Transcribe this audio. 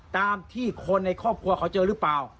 ตามที่คนในครอบครัวเขาเจอหรือเปล่า